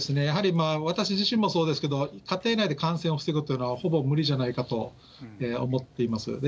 やはり私自身もそうですけど、家庭内で感染を防ぐというのはほぼ無理じゃないかと思っています。